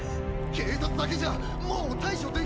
警察だけじゃもう対処できませんよ！